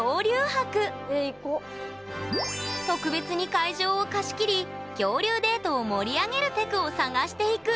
特別に会場を貸し切り恐竜デートを盛り上げるテクを探していく！